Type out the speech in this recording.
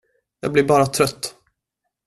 Jag blir bara trött.